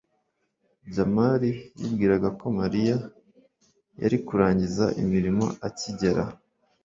jamali yibwiraga ko mariya yari kurangiza imirimo akigera